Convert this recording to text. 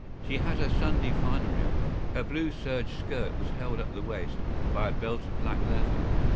She had her Sunday finery on. Her blue serge skirt was held at the waist by a belt of black leather.